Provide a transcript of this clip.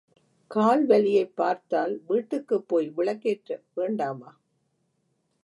கால் வலியைப் பார்த்தால் வீட்டுக்குப் போய் விளக்கேற்ற வேண்டாமா?